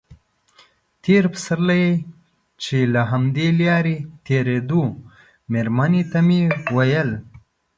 تېر پسرلی چې له همدې لارې تېرېدو مېرمنې ته مې ویل.